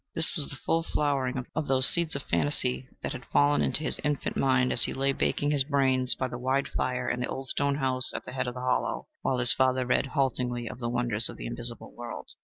This was the full flowering of those seeds of fantasy that had fallen into his infant mind as he lay baking his brains by the wide fire in the old stone house at the head of the hollow, while his father read, haltingly, of the wonders of the invisible world.